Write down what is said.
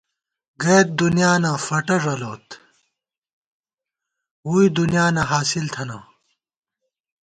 گَئیت دُنیانہ فٹہ ݫَلوت، ووئی دُنیانہ حاصل تھنہ